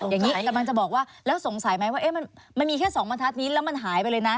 อย่างนี้กำลังจะบอกว่าแล้วสงสัยไหมว่ามันมีแค่๒บรรทัศน์นี้แล้วมันหายไปเลยนะ